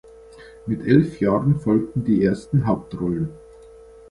Mit elf Jahren folgten die ersten Hauptrollen.